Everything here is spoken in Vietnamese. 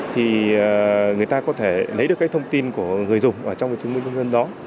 thì người ta có thể lấy được cái thông tin của người dùng ở trong cái chứng minh nhân dân đó